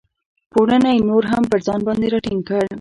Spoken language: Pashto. پوړنی یې نور هم پر ځان باندې را ټینګ کړ.